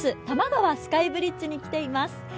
多摩川スカイブリッジに来ています。